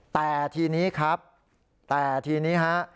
แต่ทีนี้ครับแต่ทีนี้ฮะ